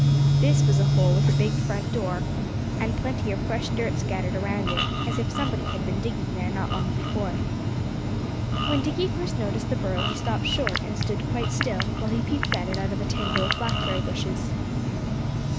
This was a hole with a big front door, and plenty of fresh dirt scattered around it, as if somebody had been digging there not long before. When Dickie first noticed the burrow he stopped short and stood quite still, while he peeped at it out of a tangle of blackberry bushes.